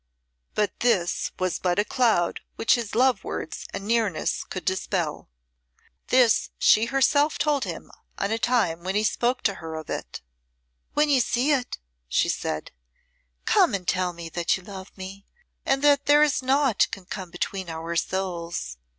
But this was but a cloud which his love words and nearness could dispel. This she herself told him on a time when he spoke to her of it. "When you see it," she said, "come and tell me that you love me, and that there is naught can come between our souls.